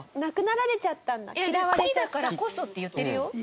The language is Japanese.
「好きだからこそ」って言ってるよ？